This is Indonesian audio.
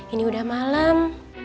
ini udah malem